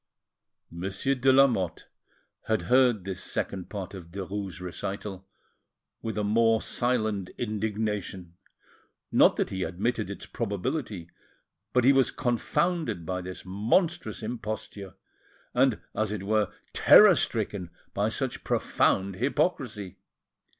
Monsieur de Lamotte had heard this second part of Derues' recital with a more silent indignation, not that he admitted its probability, but he was confounded by this monstrous imposture, and, as it were, terror stricken by such profound hypocrisy.